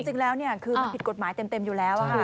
จริงแล้วคือมันผิดกฎหมายเต็มอยู่แล้วค่ะ